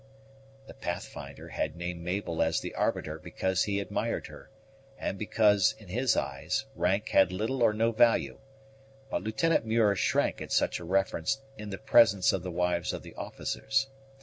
The Pathfinder had named Mabel as the arbiter because he admired her, and because, in his eyes, rank had little or no value; but Lieutenant Muir shrank at such a reference in the presence of the wives of the officers.